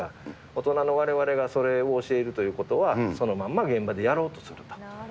大人のわれわれがそれを教えるということは、そのまんま現場でやろうとする。